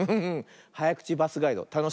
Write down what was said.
はやくちバスガイドたのしいね。